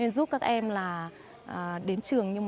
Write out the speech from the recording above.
đây là con gì